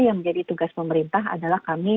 yang menjadi tugas pemerintah adalah kami